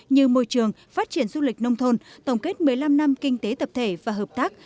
như môi trường phát triển du lịch nông thôn tổng kết một mươi năm năm kinh tế tập thể và hợp tác